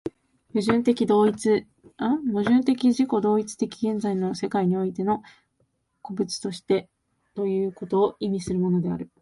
矛盾的自己同一的現在の世界においての個物としてということを意味するのである。